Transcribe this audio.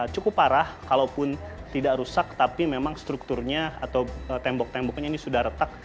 cukup parah kalaupun tidak rusak tapi memang strukturnya atau tembok temboknya ini sudah retak